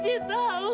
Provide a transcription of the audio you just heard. jangan lalu ini